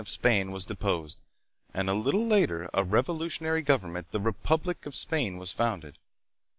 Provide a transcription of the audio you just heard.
of Spain was deposed, and a little later a revolutionary government, the " Republic of Spain," was founded.